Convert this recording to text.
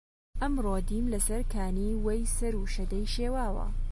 ئەمڕۆ دیم لەسەر کانی وەی سەر و شەدەی شێواوە